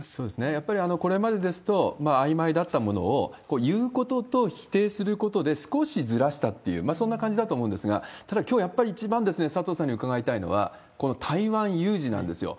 やっぱりこれまでですと、あいまいだったものを、言うことと、否定することで、少しずらしたっていう、そんな感じだと思うんですが、ただ、きょう、やっぱり一番佐藤さんに伺いたいのは、この台湾有事なんですよ。